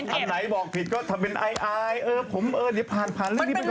อันไหนบอกผิดก็ทำเป็นอายผมเดี๋ยวผ่านเรื่องที่ไปก่อนนะ